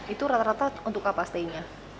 itu rata rata untuk apa stay nya